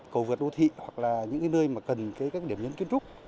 cầu vượt đô thị hoặc là những nơi mà cần các điểm nhấn kiến trúc